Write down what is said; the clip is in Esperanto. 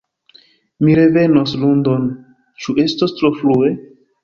Mi revenos lundon, ĉu estos tro frue?